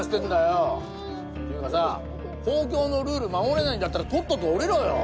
公共のルール守れないんだったらとっとと降りろよ。